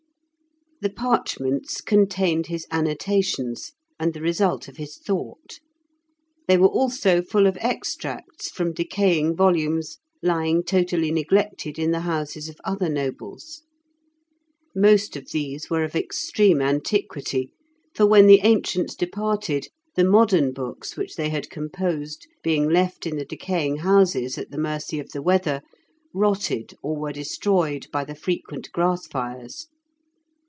The parchments contained his annotations, and the result of his thought; they were also full of extracts from decaying volumes lying totally neglected in the houses of other nobles. Most of these were of extreme antiquity, for when the ancients departed, the modern books which they had composed being left in the decaying houses at the mercy of the weather, rotted, or were destroyed by the frequent grass fires.